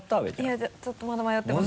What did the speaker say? いやちょっとまだ迷ってます。